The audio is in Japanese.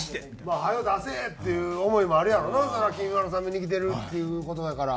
早う出せっていう思いもあるやろなそれはきみまろさん見に来てるっていう事やから。